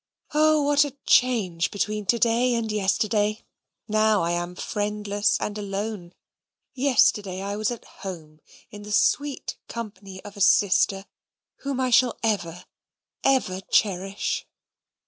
Oh, what a change between to day and yesterday! Now I am friendless and alone; yesterday I was at home, in the sweet company of a sister, whom I shall ever, ever cherish!